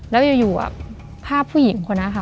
แล้วอยู่ภาพผู้หญิงคนนั้นค่ะ